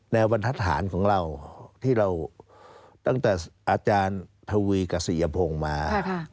แนวบันทธานของเราที่เราตั้งแต่อาจารย์ทวีกับสิยพงมา